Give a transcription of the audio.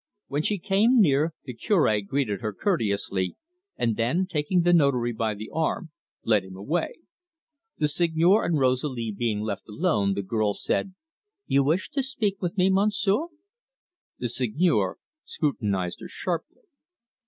When she came near, the Cure greeted her courteously, and then, taking the Notary by the arm, led him away. The Seigneur and Rosalie being left alone, the girl said: "You wish to speak with me, Monsieur?" The Seigneur scrutinised her sharply.